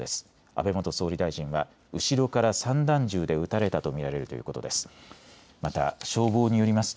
安倍元総理大臣は後ろから散弾銃で撃たれたと見られるということです。